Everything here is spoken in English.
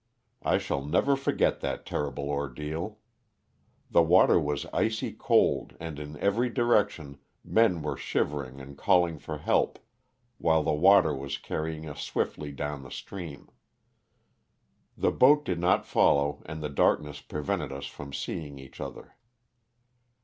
I shall never forget that terrible ordeal. The water was icy cold and in every direction men were shivering and calling for help, while the water was carrying us swiftly down the stream. The boat did not follow and the darkness prevented us from see ing each other.